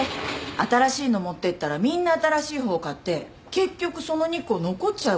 新しいの持ってったらみんな新しい方買って結局その２個残っちゃうから。